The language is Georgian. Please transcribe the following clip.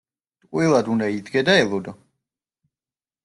ტყუილად უნდა იდგე და ელოდო.